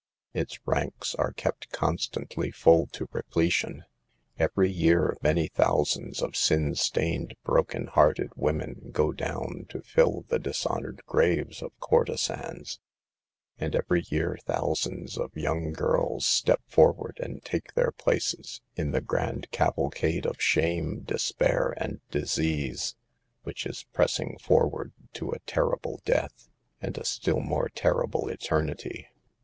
Its ranks are kept constantly full to repletion. Every year many thousands of sin stained, broken hearted women go down to fill the dishonored graves of courtesans; and every year thousands of young girls step forward and take their places in the grand cavalcade of shame, despair and dis ease, which is pressing forward to a terrible death, and a still more terrible eternity.